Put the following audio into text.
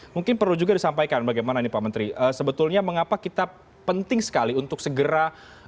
mungkin perlu juga disampaikan bagaimana ini pak menteri sebetulnya mengapa kita penting sekali untuk segera